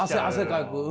汗かく。